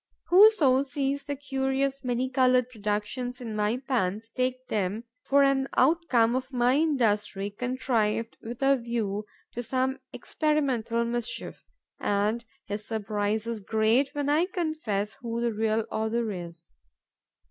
Whoso sees the curious, many coloured productions in my pans takes them for an outcome of my industry, contrived with a view to some experimental mischief; and his surprise is great when I confess who the real author is.